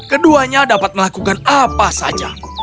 keduanya dapat melakukan apa saja